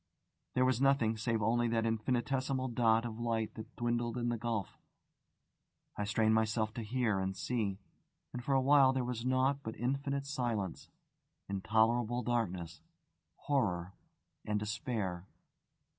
There was nothing, save only that infinitesimal dot of light that dwindled in the gulf. I strained myself to hear and see, and for a while there was naught but infinite silence, intolerable darkness, horror, and despair.